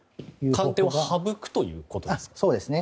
官邸を省くということですか。